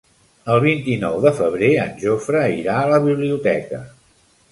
El vint-i-nou de febrer en Jofre irà a la biblioteca.